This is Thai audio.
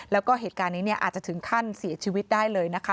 แล้วก็เหตุการณ์นี้อาจจะถึงขั้นเสียชีวิตได้เลยนะคะ